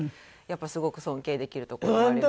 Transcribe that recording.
やっぱりすごく尊敬できるところも。